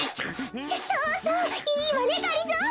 そうそういいわねがりぞー。